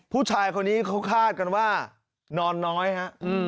ผู้ชายคนนี้เขาคาดกันว่านอนน้อยฮะ